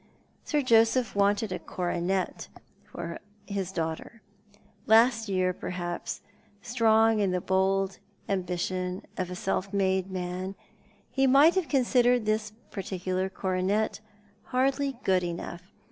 Sir JosejDh wanted a coronet for his daughter. Last yeai, perhaps, strong in the bold ambition of a self made man, he might have considered this particular coronet hardly good enough.